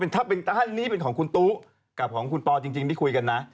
ถ้านี่เป็นของคุณตู้กับของคุณปอจริงที่คุยกันนะ